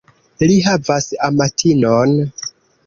Li havas amatinon.